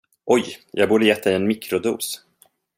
Oj, jag borde ha gett dig en mikrodos.